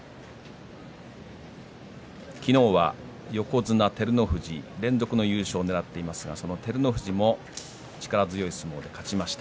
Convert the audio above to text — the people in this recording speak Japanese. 昨日は横綱照ノ富士連続の優勝をねらっていますが照ノ富士も力強い相撲で勝ちました。